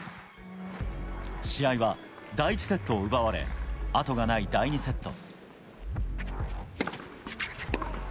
試合は第１セットを奪われ、後がない第２セット。